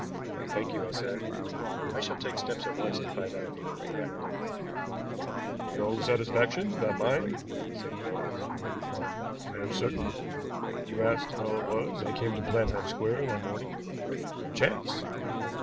"Thank you," I said. "I shall take steps at once to find out if you are correct." "For your own satisfaction, not mine," said Quarles; "I am certain. You asked how it was I came to Blenheim Square that morning. Chance!